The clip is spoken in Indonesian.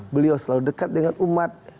beliau selalu dekat dengan umat